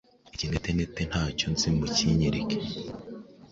Ikinetenete ntacyo nzi mukinyereke